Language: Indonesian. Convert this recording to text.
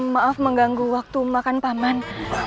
maaf mengganggu waktu makan paman